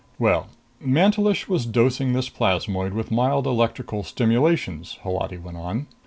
"Well, Mantelish was dosing this plasmoid with mild electrical stimulations," Holati went on.